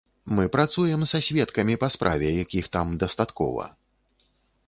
Мы працуем са сведкамі па справе, якіх там дастаткова.